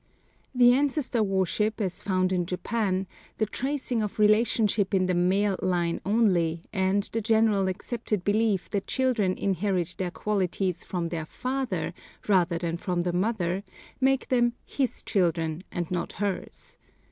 The ancestor worship, as found in Japan, the tracing of relationship in the male line only, and the generally accepted belief that children inherit their qualities from their father rather than from the mother, make them his children and not hers.